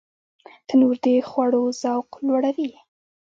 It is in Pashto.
تنور د خوړو ذوق لوړوي